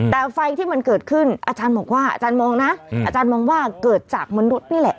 แต่ไฟที่มันเกิดขึ้นอาจารย์มองว่าเกิดจากมนุษย์นี่แหละ